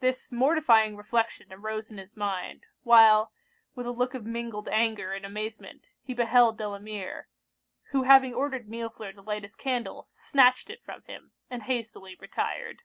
This mortifying reflection arose in his mind, while, with a look of mingled anger and amazement, he beheld Delamere, who having ordered Millefleur to light his candle, snatched it from him, and hastily retired.